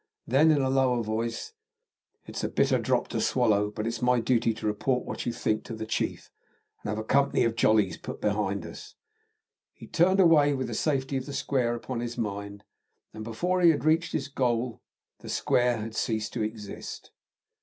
Then, in a lower voice, "It's a bitter drop to swallow, but it's my duty to report what you think to the chief, and have a company of Jollies put behind us." He turned away with the safety of the square upon his mind, and before he had reached his goal the square had ceased to exist.